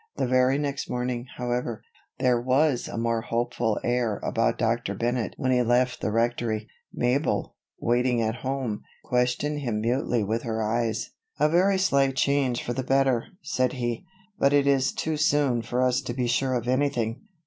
The very next morning, however, there was a more hopeful air about Dr. Bennett when he left the Rectory. Mabel, waiting at home, questioned him mutely with her eyes. "A very slight change for the better," said he, "but it is too soon for us to be sure of anything.